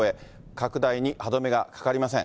拡大に歯止めがかかりません。